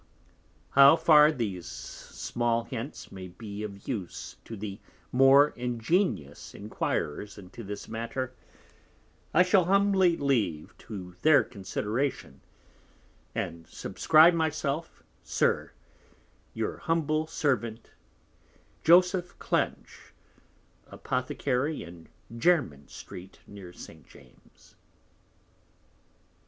How far these small Hints may be of use to the more ingenious Enquirers into this matter, I shall humbly leave to their Consideration, and subscribe my self, SIR, Your humble Servant, Joseph Clench, Apothecary in Jermyn Street, near St. James's.